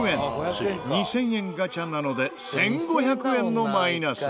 ２０００円ガチャなので１５００円のマイナス。